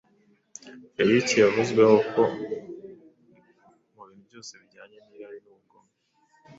Feliki yavuzweho ko: “Mu bintu byose bijyanye n’irari n’ubugome,